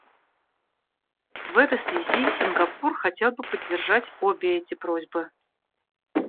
В этой связи Сингапур хотел бы поддержать обе эти просьбы.